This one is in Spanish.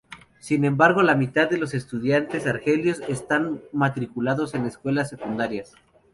Sin embargo, la mitad de los estudiantes argelinos están matriculados en escuelas secundarias.